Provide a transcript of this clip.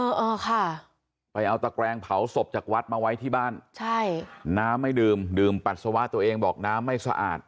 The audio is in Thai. เออค่ะไปเอาตะแกรงเผาศพจากวัดมาไว้ที่บ้านใช่น้ำไม่ดื่มดื่มปัสสาวะตัวเองบอกน้ำไม่สะอาด